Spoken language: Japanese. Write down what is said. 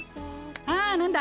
ああ何だ？